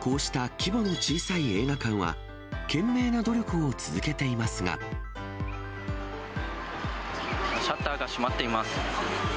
こうした規模の小さい映画館は、シャッターが閉まっています。